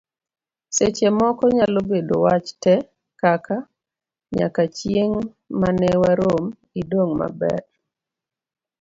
seche moko nyalo bedo wach te, kaka; nyaka chieng' mane warom, idong' maber